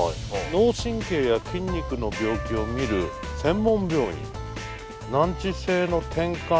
脳神経や筋肉の病気を診る専門病院。